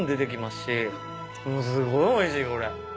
すごいおいしいこれ。